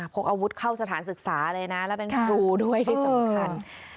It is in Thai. พกอาวุธเข้าสถานศึกษาเลยนะแล้วเป็นครูด้วยที่สำคัญ